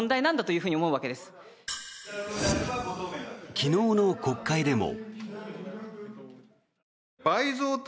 昨日の国会でも。